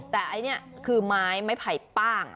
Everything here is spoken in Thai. แต่ไอ้นี่คือไม้ไผ่ป้าง